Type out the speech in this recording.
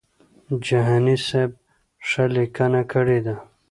جهاني سیب ښه لیکنه کړې ده.